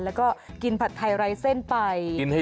แล้วก็กินผัดไทยไร้เส้นไป